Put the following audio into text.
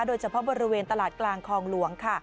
โดยเฉพาะบริเวณตลาดกลางคลองหลวงค่ะ